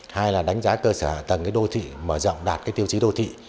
hai là đánh giá cơ sở hạ tầng cái đô thị mở rộng đạt cái tiêu chí đô thị